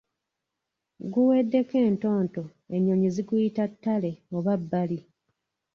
Guweddeko entonto enyonyi ziguyita ttale oba bbali.